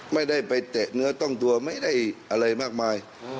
ไม่ได้ไปเตะเนื้อต้องตัวไม่ได้อะไรมากมาย